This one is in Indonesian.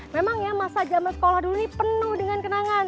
memang ya masa zaman sekolah dulu ini penuh dengan kenangan